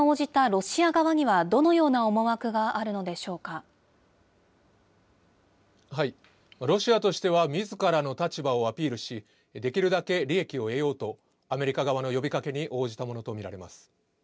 ロシアとしては、みずからの立場をアピールし、できるだけ利益を得ようと、アメリカ側の呼びかけに応じたものと見られます。